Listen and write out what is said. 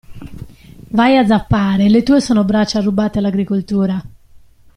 Vai a zappare, le tue sono braccia rubate all'agricoltura!